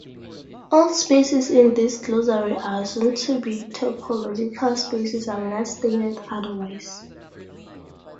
All spaces in this glossary are assumed to be topological spaces unless stated otherwise.